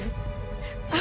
tolong beri tahu aku